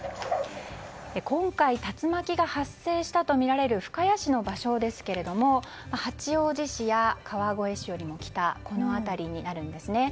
今回、竜巻が発生したとみられる深谷市の場所ですが八王子市や川越市よりも北この辺りになるんですね。